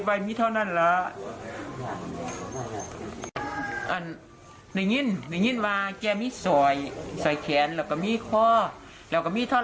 อันเต้นนี่เงียนว่าจะไม่ส่อยสายแขนแล้วกับมีค่อแล้วก็มีท่อ